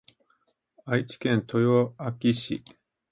愛知県豊明市